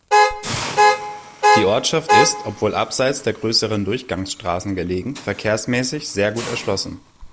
Die Ortschaft ist, obwohl abseits der größeren Durchgangsstraßen gelegen, verkehrsmäßig sehr gut erschlossen.